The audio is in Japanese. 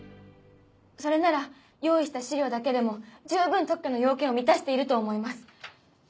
それなら用意した資料だけでも十分特許の要件を満たしていると思います。